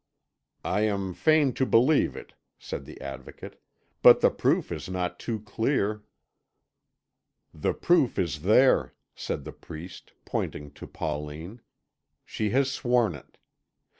"I am fain to believe it," said the Advocate; "but the proof is not too clear." "The proof is there," said the priest, pointing to Pauline; "she has sworn it.